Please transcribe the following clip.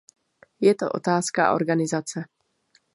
Je to otázka organizace.